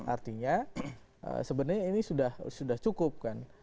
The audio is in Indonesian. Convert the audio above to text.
artinya sebenarnya ini sudah cukup kan